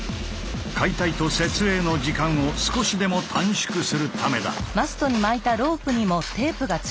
解体と設営の時間を少しでも短縮するためだ。